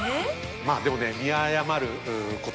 まぁでもね。